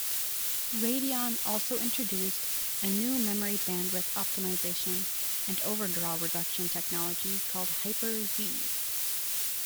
Radeon also introduced a new memory bandwidth optimization and overdraw reduction technology called HyperZ.